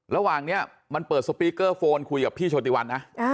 ระหว่างนี้มันเปิดสปีกเกอร์โฟนคุยกับพี่โชติวันนะ